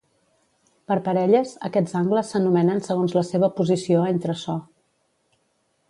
Per parelles, aquests angles s'anomenen segons la seva posició entre so.